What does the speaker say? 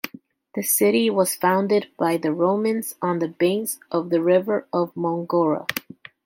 The city was founded by the Romans on the banks of the river Molgora.